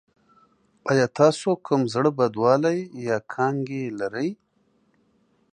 ایا تاسو کوم زړه بدوالی یا کانګې لرئ؟